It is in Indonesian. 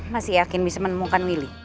masih yakin bisa menemukan willy